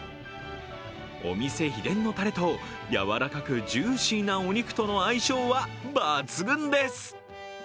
お店秘伝のたれとやわらかくジューシーなお肉との相性は抜群です。